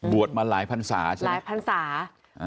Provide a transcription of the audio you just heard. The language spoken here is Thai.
บวชมาหลายพันศาใช่ไหม